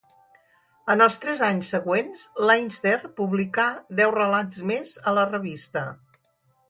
En els tres anys següents, Leinster publicà deu relats més a la revista.